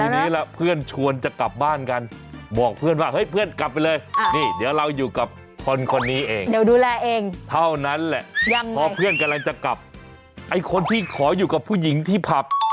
แต่เพื่อนของผมนะเจ๊ฮ่า